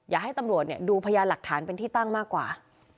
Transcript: อยากให้ตำรวจดูพยานหลักฐานเป็นที่ตั้งมากกว่า